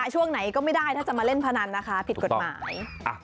ช่วงไหนก็ไม่ได้ถ้าจะมาเล่นพนันนะคะผิดกฎหมาย